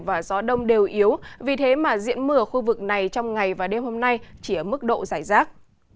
và gió đông đều yếu vì thế mà diễn mưa ở khu vực này trong ngày và đêm hôm nay chỉ ở mức độ giải rác